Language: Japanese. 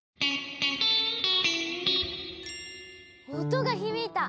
音が響いた！